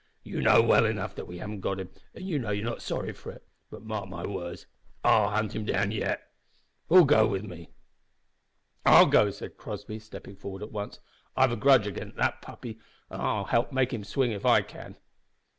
"You know well enough that we haven't got him, and you know you're not sorry for it; but mark my words, I'll hunt him down yet. Who'll go with me?" "I'll go," said Crossby, stepping forward at once. "I've a grudge agin the puppy, and I'll help to make him swing if I can."